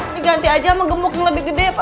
dikanti aja sama gemuk yang lebih gede ya papih